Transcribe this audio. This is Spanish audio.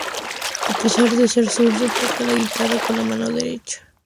A pesar de ser zurdo, toca la guitarra con la mano derecha.